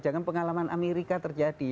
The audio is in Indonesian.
jangan pengalaman amerika terjadi